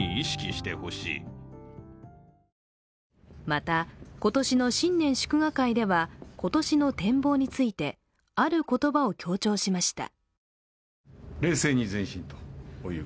また、今年の新年祝賀会では今年の展望についてある言葉を強調しました。